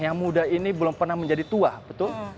yang sudah pernah menjadi tua betul